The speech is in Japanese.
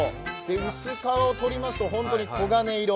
薄皮を取りますと、本当に黄金色。